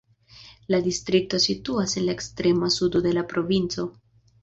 La distrikto situas en la ekstrema sudo de la provinco.